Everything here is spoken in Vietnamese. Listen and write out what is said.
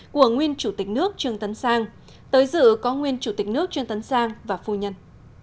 của nguyên chủ tịch nước trương tấn sang tới dự có nguyên chủ tịch nước trương tấn sang và phu nhân